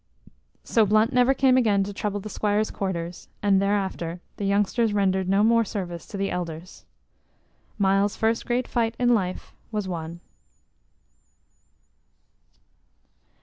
So Blunt never came again to trouble the squires' quarters; and thereafter the youngsters rendered no more service to the elders. Myles's first great fight in life was won.